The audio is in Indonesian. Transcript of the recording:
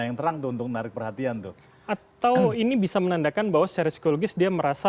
yang terang tuh untuk menarik perhatian tuh atau ini bisa menandakan bahwa secara psikologis dia merasa